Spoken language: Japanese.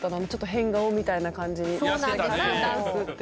変顔みたいな感じにしてからダンスっていう。